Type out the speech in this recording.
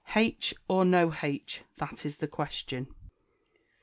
H or no H? That is the Question.